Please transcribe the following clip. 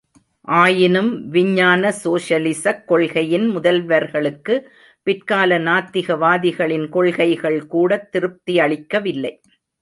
ஆயினும் விஞ்ஞான சோஷலிஸக் கொள்கையின் முதல்வர்களுக்கு, பிற்கால நாத்திகவாதிகளின் கொள்கைகள்கூட திருப்தியளிக்கவில்லை.